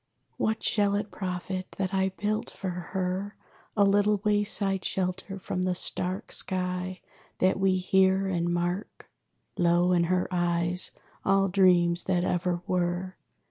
What shall it profit, that I built for her A little wayside shelter from the stark Sky that we hear, and mark? Lo, in her eyes all dreams that ever were!